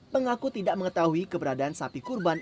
mengaku tidak mengetahui keberadaan sapi kurban